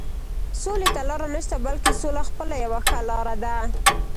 سولې ته لاره نشته، بلکې سوله خپله یوه ښه لاره ده.